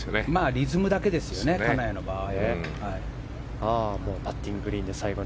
リズムだけですよね金谷の場合は。